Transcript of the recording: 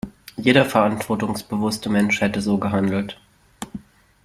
Jeder verantwortungsbewusste Mensch hätte so gehandelt.